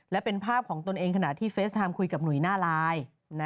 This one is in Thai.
และเป็นภาพของตนเองขณะที่เฟสไทม์คุยกับหนุ่ยหน้าไลน์